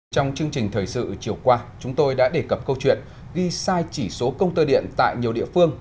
trong chương trình thời sự chiều qua chúng tôi đã đề cập câu chuyện ghi sai chỉ số công tơ điện tại nhiều địa phương